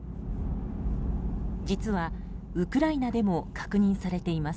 実は、ウクライナでも確認されています。